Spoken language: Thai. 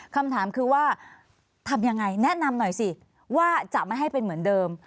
คำถามคือว่าทำยังไงแนะนำหน่อยสิว่าจะไม่ให้เป็นเหมือนเดิม